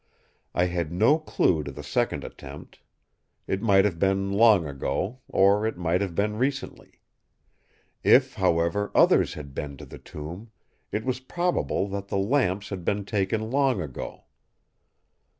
I had no clue to the second attempt. It might have been long ago; or it might have been recently. If, however, others had been to the tomb, it was probable that the lamps had been taken long ago.